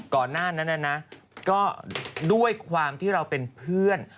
ก่อนหน้านั้นนะก็ด้วยความที่เราเป็นเพื่อน